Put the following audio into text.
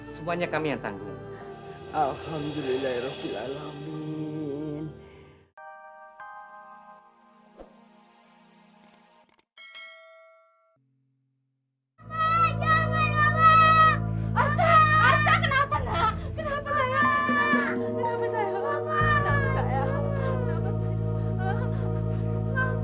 semuanya kami yang tanggung